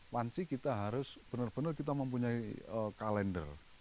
panci kita harus benar benar kita mempunyai kalender